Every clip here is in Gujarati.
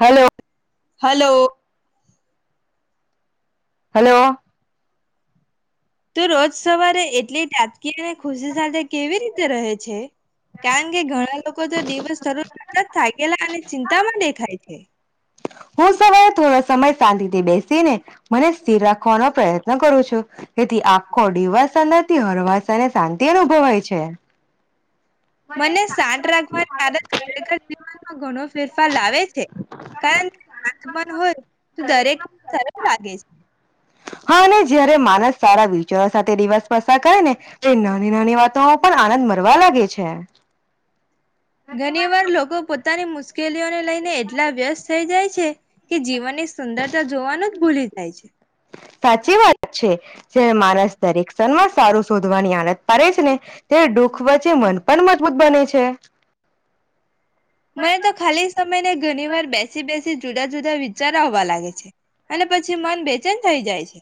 Hello, hello. હલો. તો રોજ સવારે એટલે [unintelligible] અને ખુશી સાથે કેવી રીતે રહે છે? કારણ કે ઘણા લોકો તો દિવસ શરૂ થયા જ થાકેલા અને ચિંતામાં દેખાય છે. હું સવારે થોડા સમય શાંતિ થી બેસી ને મનને સ્થિર રાખવાનો પ્રયત્ન કરું છું, તેથી આખો દિવાસ અ રથી હરવાસ અને શાંતિ અનુભવાય છે. મને શાઠ રાખવાની આદત જ ખરેખર જીવનમાં ઘણો ફેરફાર લાવે છે. કારણ કે [unintelligible] હોય તો દરેક સરળ લાગે છે. હા જયારે અને માણસ સારા વિચારો સાથે દિવસ પ્રસા કરે ને એ નાની નાની વાતો પણ આનંદ મરવા લે. છે. ઘણી વાર લોકો પોતાની મુશ. કે લીઓને લઇને ને એટલા વ્યસ્ત થઈ જાય. છે. કે જીવનની સુંદરતા જોવાનું જ ભૂલી જાય છે [inaudible] સાચી વાત છે જે માણસ દરેક ક્ષણ માં સારું શોધવાની આડત પાડે છે ને તે દુઃખ વચ્ચે મન પણ મજબૂત બને છે. મને તો ખાલી સમય ને ઘણી વાર બેસી બેસી જુદા જુદા વિચારો આવવા લાગે છે અને પછી મન બેચન થઈ જાય છે.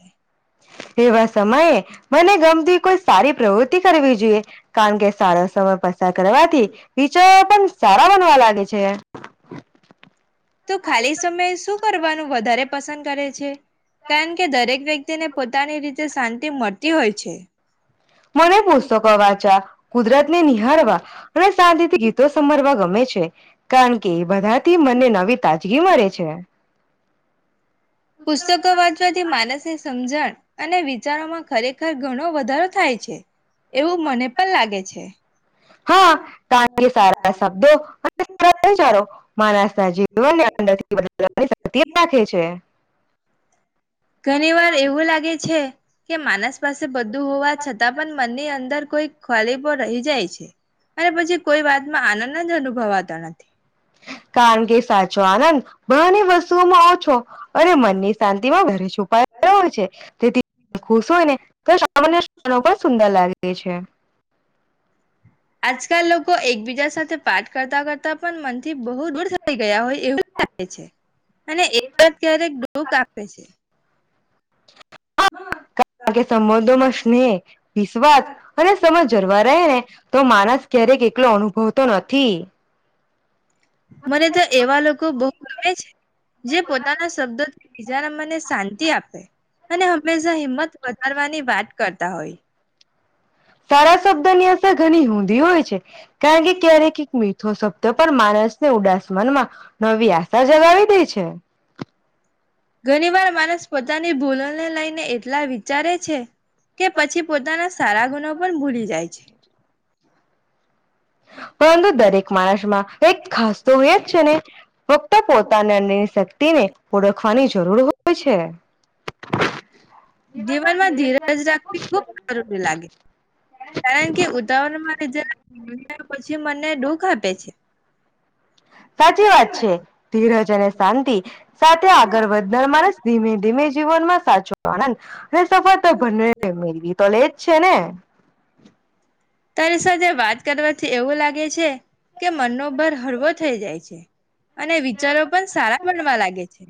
એવા સમયે. મને ગમતી કોઈ સારી પ્રવૃતિ કરવી જોઈએ કારણ કે સારા સમય પસાર કરવાથી વિચારો પણ સારા બનવા લાગે છે. તો ખાલી સમય શું કરવાનું વધારે પસંદ કરે છે કારણ કે દરેક વ્યક્તિને પોતાની રીતે શાંતિ મળતી હોય છે મને પુસ્તકો વાંચવા કુદરત ને નિહાળવા અને શાંતથી ગીતો સમરવા ગમે છે કારણ કે એ બધાથી મને નવી તાજગી મળે છે પુસ્તકો વાંચવાથી માનસની સમજણ અને વિચારોમાં ખરેખર ઘણો વધારો થાય છે એવું મને પણ લાગે છે હા કારણ કે સારા શબ્દો અને સારા વિચારો માણસ ના જીવન અંદરથી બદવાની શક્ રાખે છે ઘણી વાર એવું લાગે છે કે માણસ પાસે બધું હોવા છતાં પણ મનની અંદર કોઈ ખલીપો રહી જાય છે અને પછી કોઈ વાતમાં આનંદ જ અનુભવાતો નથી કારણ કે સાચો આનંદ બહાર ની વસ્તુઓમાં ઓછો અને મનની શાંતિમાં વધુ છુપાઈ રહયો હોય છે તેથી ખુશ હોયને તો સામાન્ય પણ સુંદર લાગે છે આજકાલ લોકો એકબીજા સાથે પાઠ કરતા કરતા પણ મનથી બહુ દૂર થઈ ગયા હોય એવું લાગે છે અને એવા જ ક્યારેક દુઃખ આપે છે કારણ કે સંબંધોમાં સ્નેહ વિશ્વાસ અને સમજ જળવા રહે ને તો માણસ ક્યારેક એકલો અનુભવતો નથી મને તો એવા લોકો બહુ ગમે છે જે પોતાના શબ્દો બીજાના મને શાંતિ આપે અને હંમેશા હિંમત વધારવાની વાત કરતા હોય સારા શબ્દો ની અશેર ઘણી ઊંધી હોય છે કારણ કે ક્યારેક એક મીઠો શબ્દ પણ માણસને ઉદાસમનમાં નવી આશા જગાવી દે છે ઘણી વાર માણસ પોતાની ભૂલ ને લઈને એટલા વિચારે છે કે પછી પોતાના સારા ગુણો પણ ભૂલી જાય છે પરંતુ દરેક માણસમાં એક ખાસતો હોય જ છે ને ફક્ત પોતાને અનની શક્તિને ઓળખવાની જરૂર હોય છે જીવનમાં ધીરજ રાખવી બહુ જરૂરી લાગે કારણ કે ઉતાવળમાં જ્યારે [inaudible] પછી મનને દુઃખ આપે છે સાચી વાત છે ધીરજ અને શાંતિ સાથે આગળ વધનાર માણસ ધીમે ધીમે જીવનમાં સાચો હન હ સફર તો [inaudible] મેરી તો લેજ છે ને [inaudible] તારી સાથે વાત કરવાથી એવું લાગે છે કે મનનો ભાર હળવો થઈ જાય છે અને વિચારો પણ સારા બનવા લાગે છે.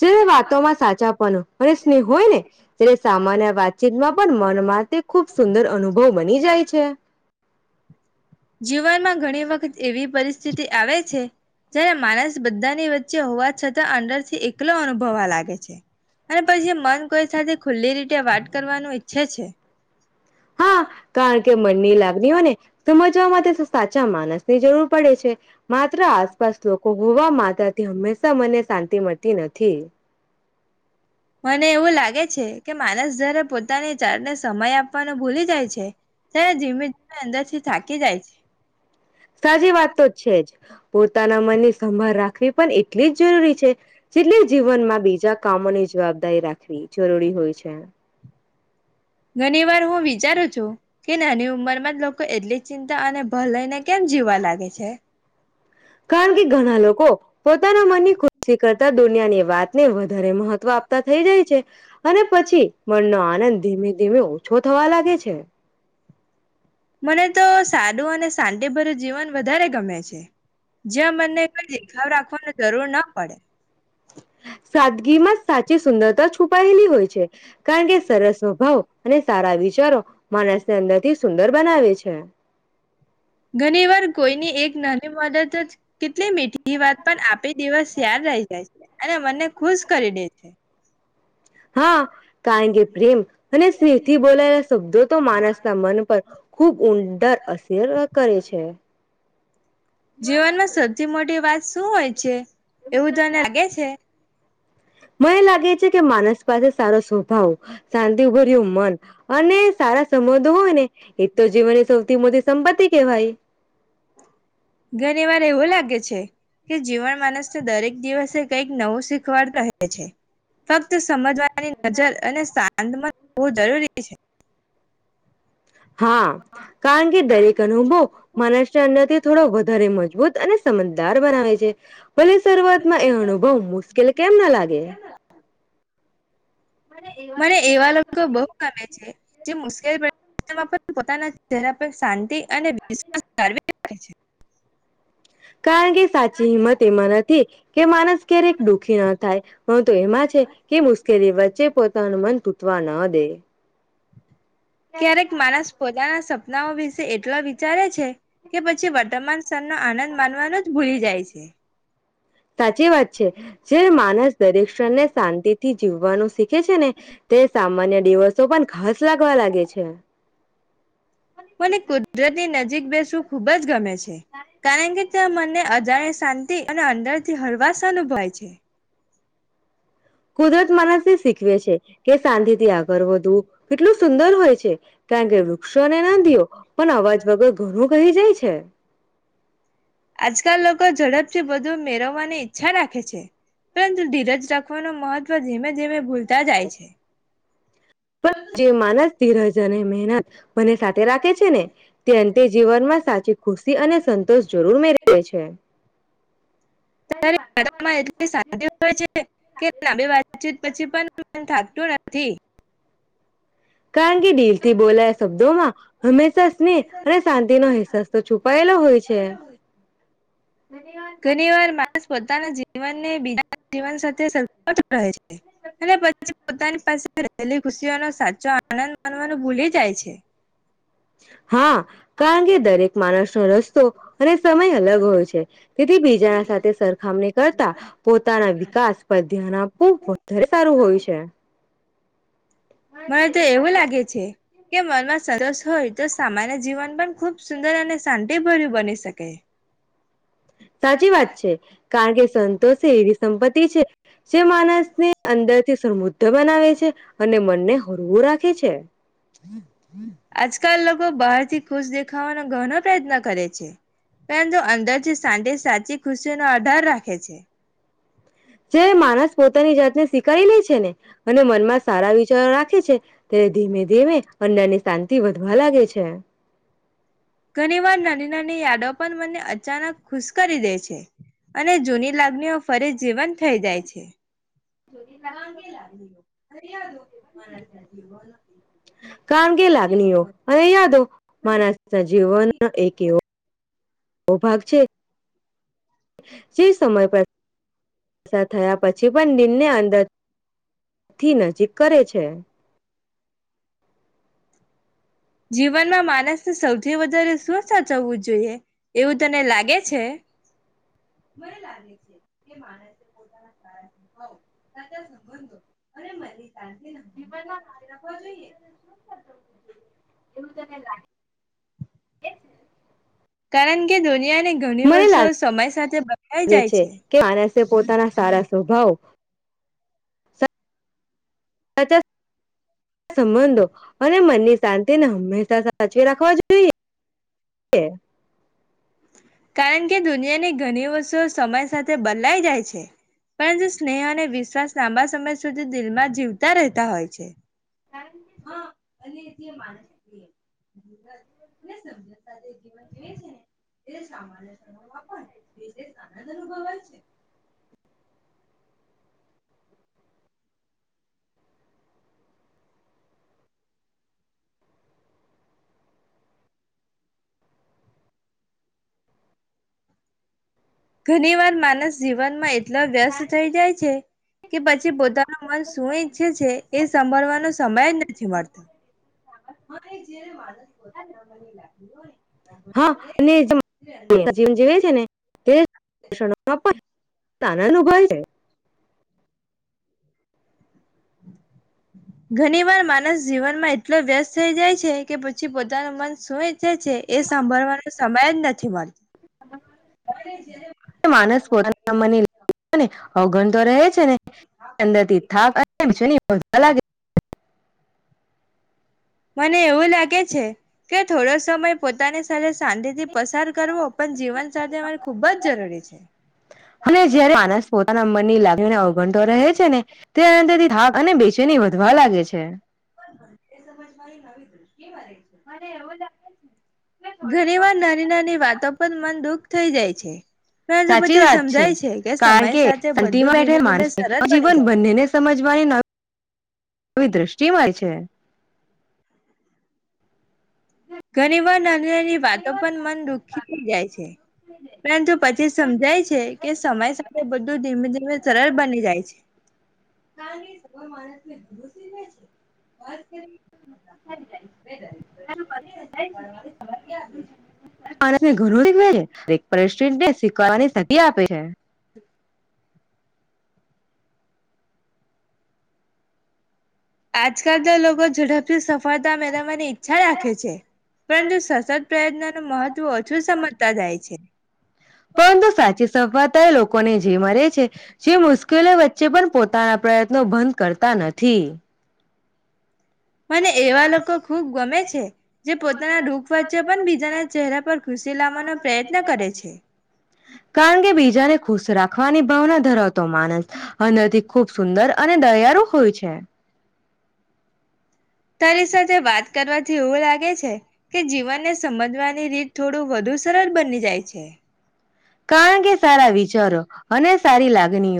જે વાતોમાં સાચાપનો અને સ્નેહ હોય ને ત્યારે સામાન્ય વાતચીતમાં પણ મનમાં તે ખુબ સુંદર અનુભવ બની જાય છે. જીવનમાં ઘણી વખત એવી પરિસ્થિતિ આવે છે જયારે માણસ બધાની વચ્ચ ચ્ચ હોવા છતાં અંંદર થી એકલો અનુભવા લાગે છે. અને પછી મન કોઈ સાથે ખુલ્લી રીતે વાત કરવાનું ઈચ્છે છે. હા કારણ કે મનની લાગણી હોય ને સમજ વા માટે સાચા માણસ ની જરૂર પડે છે. માત્ર આસપાસ લોકો હોવા માતા થી હંમેશા ત મને શાંતિ મળતી નથી. મને એવું લાગે છે કે માણસ જારે પોતાને ચાર ને સમય આપવાનો ભૂલી જાય છે. ત્યારે ધીમે ધી જમે અંદર થી થાકી જાય છે. સાચી વાત તો છેજ. પોતાના મનની સંભાળ રાખ વી પણ એટલી જ જરૂરી છે જેટલી જીવનમાં બીજા કામોની જવાબદારી રાખવી જરૂરી હોય છે ઘણી વાર હું વિચારું છું કે નાની ઉંમર જ લોકો એટલી ચિંતા અને ભલાય ને કેમ જીવવા લાગે છે કારણ કે ઘણા લોકો પોતાના મનની ખુશી કરતા દુનિયાની વાતને વધુ ઘરે મહત્વ આપતા થઈ જાય છે અને પછી મનનો આનંદ ધીમે-ધીમે ઓછો થવા લાગે છે. મને તો સારું અને શાંતિભર્યુ જીવન વધારે ગમે છે. જ્યાં મનને કોઈ દેખાવ રાખવાનો જરૂર ના પડે. સાદગી માં સાચી સુંદરતા છુપાયેલી હોય છે. કારણ કે સરસ સ્વભાવ અને સારા વિચારો માણસને અંદરથી સુંદર બનાવે છે. ઘણી વાર કોઈની એક નાની મદદ જ એટલે મીઠી વાત પણ આપે દિવસ યાદ આવી જાય છે અને મને ખુશ કરી દે છે. હા, કારણ કે પ્રેમ અને સ્નેહથી બોલાયેલા શબ્દો તો માણસના મન, પર ખૂબ ઉદર અસર કરે છે. જીવનમાં સૌથી મોટી વાત શું હોય છે? એવું તને લાગે છે મને એ લાગે છે કે માનસ પાસે સારો સ્વભાવ શાંતિ ઉબર્યું રહ્યું મન. અને સારા સંબંધો હોય ને એ તો જીવન એ સૌથી મોટી સંપત્તિ કહેવાય. ઘણી વાર એવો લાગે છે કે જીવન માનસને દરેક દિવસે કઈક નવું શીખવાડ કરે છે. ફક્ત સમજવાની નજર અને શાંતમાં બહુ જરૂરી છે. હા, કારણ કે દરેક અનુભવ, માનસને અંદરથી થોડો વધારે મજબૂત અને સમજદાર બનાવે છે, ભલે શરૂઆતમાં એ અનુભવ મુશ્કેલ કેમ ના લાગે. મને એવા લોકો બહુ ગમે છે, જે મુશ્કેલ પડે એમાં પણ પોતાના ચહેરા પર શાંતિ અને વિશ્વાસ ધારવી [unintelligible] કારણ કે સાચી હિંમત એમાં નથી કે માનસ ક્યારેક દુઃખી ન થાય, પરંતુ એમાં છે કે મુશ્કેલી વચ્ચે પોતાનું મન તૂટવા ન દે. ક્યારેક માણસ પોતાાના સપનાઓ વિશે એટલા વિચારે છે કે પછી વર્તમાન સ્તર નો આનંદ માનવાનું જ ભૂલી જાય છે. સાચી વાત છે. જે માનસ દરેક શિક્ષણ ને શાંતિથી જીવવાનું શીખે છે ને તે સામાન્ય દિવસો પણ ખાસ લાગવા લાગે છે. મને કુદરતની [unintelligible] બેસવું ખુબ જ ગમે છે. છે, કારણ કે [unintelligible] મને અજાણ્ય શાંતિ અને અંદર થી હરવાસ અનુભવાય છે. કુદરત માણસથી શીખવે છે કે શાંતીથી આગળ વધવું કેટલું સુંદર હોય છે, કારણ કે વૃક્ષો ને નદીઓ પણ અવાજ વગર ઘણું કહી જાય છે. જે બધું મેળવવાની ઈચ્છા રાખે છે, પરંતુ ધીરજ રાખવાનું મહત્વ ધીમે ધીમે ભૂલ તા જાય છે. જે માનસ ધીરજ અને મહેનત બને સાથે રાખે છે ને તે અંતે જીવનમાં સાચી ખુશી અને સંતોષ જરૂર મેળ છે. ત્યારે [inaudible] એટલી શાંત હોય છે કે ના બેી વાતચીત પછી પણ. થાકતું નથી. કારણ કે દિલ થી બોલાયા શબ્દોમાં હંમેશા સ્નેહ અને શાંતિનો અહેસાસ તો છુપાયેલો હોય છે. ઘણી વાર માણસ પોતાના જ. જીવનને બીજા જીવન સાથે સરખાવતો હોય છે અને પછી પોતાની પાસે રહેલી ખુશીઓનો સાચો આનંદ માનવાનું ભૂલી જાય છે. [inaudible] હા કારણ કે દરેક માણસનો રસ્તો. અને સમય અલગ હોય છે તેથી બીજાના સાથે સરખામણી કરતા પોતાના વિકાસ પર ધ્યાન આપવું વધારે સારું હોય છે. મને તો એવું લાગે છે. કે મનમાં સંતોષ હોય તો સામાન્ય જીવન પણ ખૂબ સુંદર અને શાંતિભર્યું બની શકે. સાચી વાત છે કારણ કે સંતોષે એવી સંપત્તિ. તિ છે. જે માણસને અંદરથી સમૃદ્ધ બનાવે છે અને મનને હરવું રાખે છે. હમ. આજકાલ લોકો બહારથી ખુશ દેખાવાનો ઘનો પ્રયત્ન કરે છે પરંતુ અંદરથી સાડે સાચી. ખુશીનો આધાર રાખે છે. જે માણસ પોતાની જાતને સ્વીકારી લે છે ને અને મનમાં સારા વિ. ચ રાખે છે. ત્યારે ધીમે ધીમે અન્ય ની શાંતિ વધવા લાગે છે. છે. ઘણી વાર નાની નાની યાદો પણ મને અચાનક. ખુશ કરી દે છે. અને જૂની લાગણીઓ ફરી જીવંત થઈ જાય છે. કા કે લાગે. [unintelligible] કારણ કે લાગણીઓ અને યાદો માણસના જીવન એક એવો. ઓ ભાગ છે. જે સમય પસાર થયા પછી પણ દિલ ને અંદરથી નજીક કરે છે. જીવનમાં માણસને સૌથી વધારે શું સાચવવું જોઈએ એવું તને લાગે છે મેને લાગે છે કે માનસ જીવનમાં મારે એવું તને લાગે. કરણ કે ધોની. તંને ઘણી વસ્તુ લાગે સમય સાથે બદલાઈ જાય છે. તે પોતાના સારા સ્વભાવ. આ ચ સંબંધો અને મનની શાંતિને હંમેશા સાચવી રાખવા જોઈએ. કારણ કે દુનિયાની ઘણી વસ્તુઓ સમય સાથે બદલાઈ જાય છે પરંતુ સ્નેહ અને વિશ્વાસ લાંબા સમય સુધી દિલમાં જીવતા રહેતા હોય છે. હા અને જે માનસય. જીવન જીવે છે ને અનુભ છે. ઘણી વાર માનસ જીવનમાં. એટલે વ્યસ્ત થઇ જાય છે. કે પછી પોતાનું મન શું ઈચ્છે છે એ સાભળવાનું સમય જ નથી મળતા. જય્યારે માણસ પોતાના મને લાગ હોય. હા ને [unintelligible] જ જીવન જીવે છે ને. તે શષણો આપાય તાના નુભવે છે. ઘણી વાર માનસ જીવનમાં એટલો વ્યસ્ત થઇ જાય છે કે પછી પોતાનું મન શું ઈચ્છે છે એ સાંભળવાનો સમય જ નથી મળતો. માણસ કોતાના મને [unintelligible] અગણ તો રહે છે ને, અંદર થી થાક અને. [unintelligible] મને એવું લાગે છે, કે થોડો સમય પોતાની સાથે શાંતિથી પસાર કરવો પણ જીવન સાથે અરે ખુબ જ જરૂરી છે. અને જયારે માણસ મનની લાગણીને અવગણતો રહે છે ને, તેના અંદરથી થાક અને બેચેની વધવા લાગે છે. બબ એ સમજ મારી નવી દ્ર. [unintelligible] મને રજ [unintelligible] ઘણી વાર નાની નાની વાતો પર મન દુઃખ થઈ જાય છે. પરંતુ સાચી પછી વાત છે, સમજાય કે કારણ સમય કે સાથે બધું શાંતિમાં ધીમે બેઠેલ ધીમે માણસને સરળ બની જીવન જાય. બંનેને સમજવાની ન આવી દ્રષ્ટિમાંય છે. ઘણી વાર નાની નાની વાતો પણ મન દુઃખી થઈ જાય છે, પરંતુ પછી સમજાય છે કે સમય સાથે બધું ધીમે ધીમે સરળ બની જાય છે. કાર સ માણસને ભરોસું થ છે કરી [unintelligible] વેદા વ [unintelligible] આપે છે [unintelligible] માણસને ઘરું શીખવે છે ને પરિસ્થિતિને શીકારવાની શતિ આપે છે. આજકાલ તો લોકો ઝડપથી સફળતા મેળવવાની ઈચ્છા રાખે છે, પરંતુ સશત પ્રયત્નનું મહત્વ ઓછું સમજતા જાય છે. પરંતુ સાચી સફળતા એ લોકોને જે મળે છે જે મુશ્કેલી વચ્ચે પણ પોતાના પ્રય ત્નો ભંધ કરતા નથી. મને એવા લોકો ખૂબ ગમે છે. જે પોતાના દુઃખ વચ્ચે પણ બીજાના ચહેરા પર ખુશી લાવવાનો પ્રયત્ન કરે છે. કારણ કે બીજાને ખુશ રાખવાની ભાવના ધરાવતો માણસ અંદરથી ખુબ સુંદર અને દયારુ હોય છે. તારી સાથે વાત કરવાથી એવું લા કે છે કે જીવનને સમજવાની રીત થોડું વધુ સરળ બની જાય છે કારણ કે સારા વિચારો અને સારી લાગણીઓ